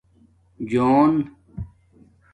جُݸن